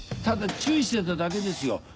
ただ注意してただけですよ。